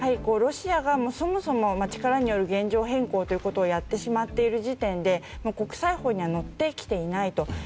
ロシアがそもそも力による現状変更ということをやってしまっている時点で国際法にはのってきていないと。